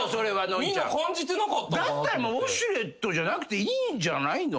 だったらウォシュレットじゃなくていいんじゃないの？